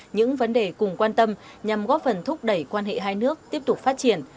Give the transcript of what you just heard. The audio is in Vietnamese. những vấn đề cùng quan tâm nhằm góp phần thúc đẩy quan hệ hai nước tiếp tục phát triển